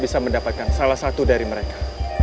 mereka sudah berhasil menangkap mereka